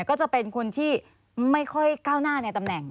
ก็จะเป็นคนที่ไม่ค่อยก้าวหน้าในตำแหน่ง